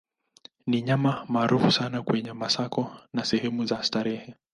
Ni nyama maarufu sana kwenye masoko na sehemu za starehe.